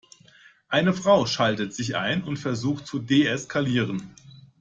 Eine Frau schaltet sich ein und versucht zu deeskalieren.